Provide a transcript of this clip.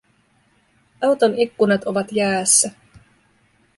Auton ikkunat ovat jäässä